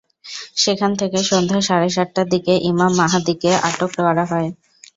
সেখান থেকে সন্ধ্যা সাড়ে সাতটার দিকে ইমাম মাহাদিকে আটক করা হয়।